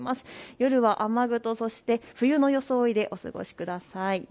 夜は雨具と冬の装いでお過ごしください。